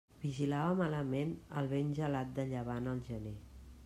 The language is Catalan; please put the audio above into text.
Vigilava malament el vent gelat de llevant al gener.